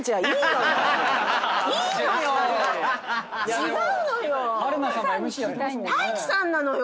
違うのよ！